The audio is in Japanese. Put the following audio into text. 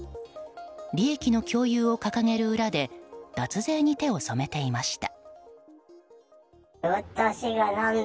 利益の共有を掲げる裏で脱税に手を染めていました。